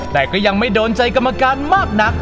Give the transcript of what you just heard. แต่ก็ยังไม่โดนใจกรรมการมากนัก